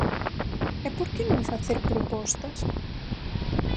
¿E por que non facer propostas?